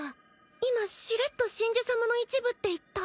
今しれっと神樹様の一部って言った？